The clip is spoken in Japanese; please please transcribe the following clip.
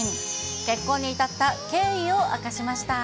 結婚に至った経緯を明かしました。